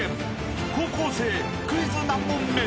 ［高校生クイズ何問目？